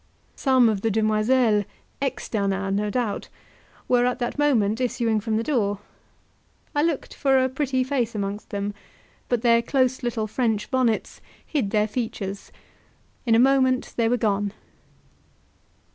Some of the demoiselles, externats no doubt, were at that moment issuing from the door I looked for a pretty face amongst them, but their close, little French bonnets hid their features; in a moment they were gone.